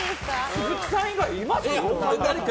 鈴木さん以外います？